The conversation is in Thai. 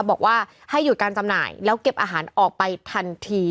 บอกว่าให้หยุดการจำหน่ายแล้วเก็บอาหารออกไปทันที